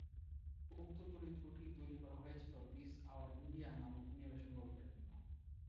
উক্ত চরিত্রটি তৈরি করা হয়েছিল "দিস আওয়ার ইন্ডিয়া" নামক অ্যানিমেশন গল্পের জন্য।